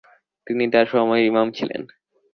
তিনি তাঁর সময়ের ইমাম ছিলেন"।